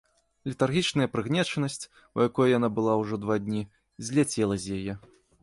Летаргічная прыгнечанасць, у якой яна была ўжо два дні, зляцела з яе.